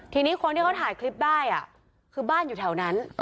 ทีนี้คนที่เขาถ่ายคลิปได้คือบ้านอยู่แถวนั้น